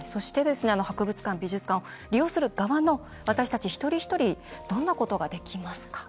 博物館、美術館を利用する側の私たち一人一人どんなことができますか？